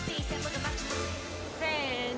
せの。